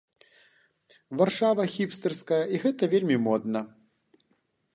Варшава, хіпстэрская, і гэта вельмі модна.